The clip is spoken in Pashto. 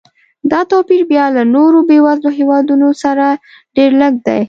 دا توپیر بیا له نورو بېوزلو هېوادونو سره ډېر لږ دی.